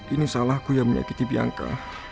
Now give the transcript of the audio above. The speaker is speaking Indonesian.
ini salahku yang menyakiti biangka